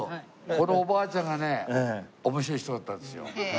このおばあちゃんがね面白い人だったんですよ。